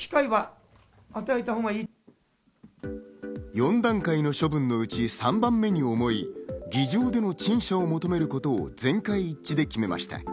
４段階の処分のうち、３番目に重い議場での陳謝を求めることを全会一致で決めました。